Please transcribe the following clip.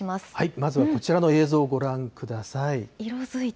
まずはこちらの映像をご覧ください。